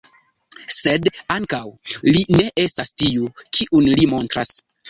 Sed ankaŭ li ne estas tiu, kiun li montras.